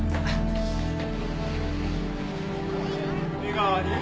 江川に